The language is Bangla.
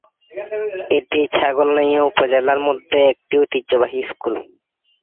এটি ছাগলনাইয়া উপজেলার মধ্যে একটি ঐতিহ্যবাহী স্কুল।